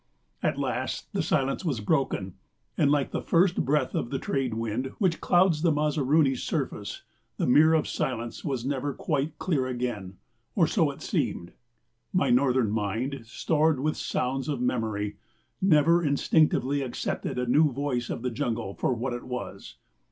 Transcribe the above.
At last the silence was broken, and like the first breath of the trade wind which clouds the Mazaruni surface, the mirror of silence was never quite clear again or so it seemed. My northern mind, stored with sounds of memory, never instinctively accepted a new voice of the jungle for what it was.